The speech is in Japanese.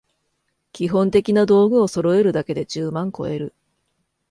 基本的な道具をそろえるだけで十万こえる